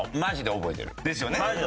ですよね？